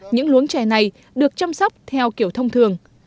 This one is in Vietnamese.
những luống chè này được chăm sóc theo kiểu thông thường